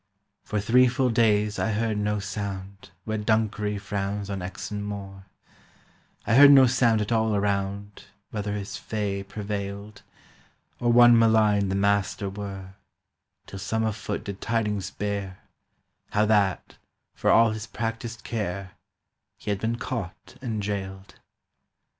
For three full days I heard no sound Where Dunkery frowns on Exon Moor, I heard no sound at all around Whether his fay prevailed, Or one malign the master were, Till some afoot did tidings bear How that, for all his practised care, He had been caught and jailed.